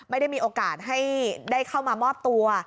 ไม่ได้มีโอกาสให้ได้เข้ามามอบตัว